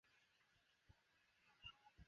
殿试登进士第三甲第一百六十六名。